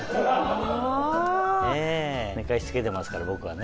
寝かしてつけてますから僕はね。